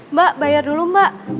mbak bayar dulu mbak